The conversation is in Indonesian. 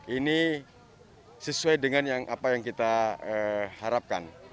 ini sesuai dengan apa yang kita harapkan